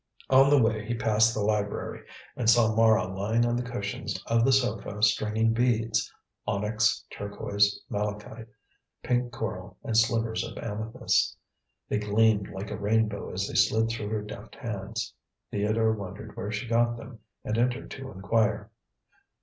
On the way he passed the library, and saw Mara lying on the cushions of the sofa stringing beads: onyx, turquoise, malachite, pink coral and slivers of amethyst. They gleamed like a rainbow as they slid through her deft hands. Theodore wondered where she got them and entered to inquire.